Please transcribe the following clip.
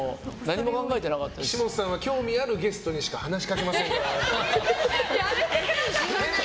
岸本さんは興味あるゲストにしか話しかけませんから。